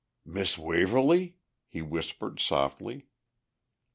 "Miss Waverly?" he whispered softly.